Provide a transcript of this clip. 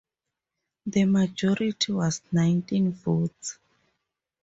The majority was nineteen votes.